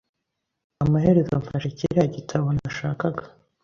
Amaherezo mfashe kiriya gitabo nashakaga .